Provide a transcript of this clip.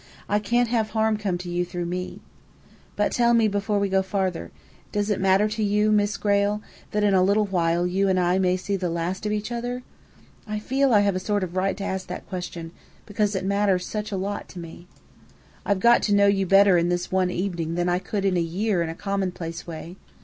"I can't have harm come to you through me. But tell me, before we go farther does it matter to you, Miss Grayle, that in a little while you and I may see the last of each other? I feel I have a sort of right to ask that question, because it matters such a lot to me. I've got to know you better in this one evening than I could in a year in a commonplace way.